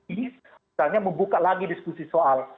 ini misalnya membuka lagi diskusi soal